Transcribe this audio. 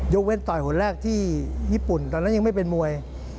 เว้นต่อยคนแรกที่ญี่ปุ่นตอนนั้นยังไม่เป็นมวย